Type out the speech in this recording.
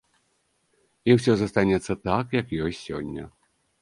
І ўсё застанецца так, як ёсць сёння.